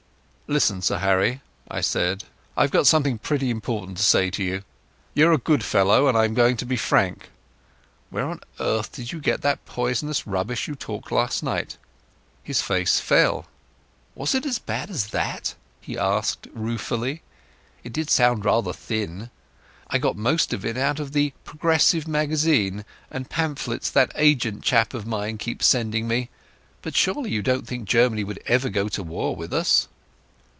"Listen, Sir Harry," I said. "I've something pretty important to say to you. You're a good fellow, and I'm going to be frank. Where on earth did you get that poisonous rubbish you talked tonight?" His face fell. "Was it as bad as that?" he asked ruefully. "It did sound rather thin. I got most of it out of the Progressive Magazine and pamphlets that agent chap of mine keeps sending me. But you surely don't think Germany would ever go to war with us?"